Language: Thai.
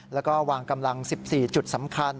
แล้วก็วางกำลัง๑๔จุดสำคัญ